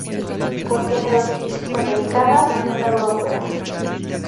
Contiene dos especies americanas y una europea.